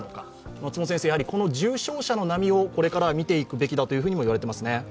松本先生、重症者の波をこれから見ていくべきだと言われていますね？